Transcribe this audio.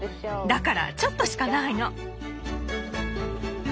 だからちょっとしかないの。